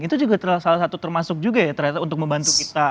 itu juga salah satu termasuk juga ya ternyata untuk membantu kita